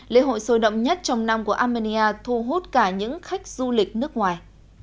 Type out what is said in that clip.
lễ hội sôi động nhất trong năm của armenia thu hút cả những khách du lịch nước ngoài